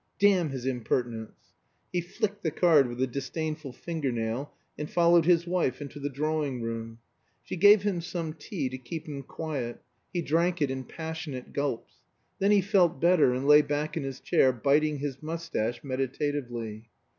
"Damn his impertinence!" He flicked the card with a disdainful fingernail and followed his wife into the drawing room. She gave him some tea to keep him quiet; he drank it in passionate gulps. Then he felt better, and lay back in his chair biting his mustache meditatively.